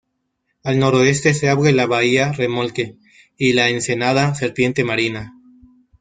Al noroeste se abre la bahía Remolque y la ensenada Serpiente Marina.